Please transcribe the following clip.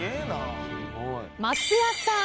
松也さん